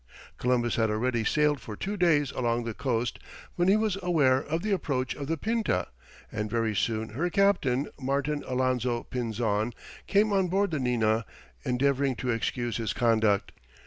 Columbus had already sailed for two days along the coast, when he was aware of the approach of the Pinta, and very soon her captain, Martin Alonzo Pinzon, came on board the Nina, endeavouring to excuse his conduct.